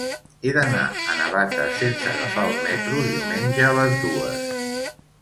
He d'anar a Navata sense agafar el metro diumenge a les dues.